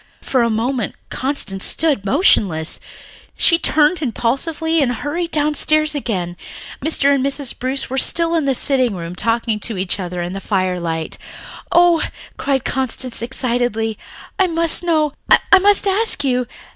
For a moment Constance stood motionless. Then she turned impulsively and hurried downstairs again. Mr. and Mrs. Bruce were still in the sitting room talking to each other in the firelight. "Oh," cried Constance excitedly. "I must know, I must ask you.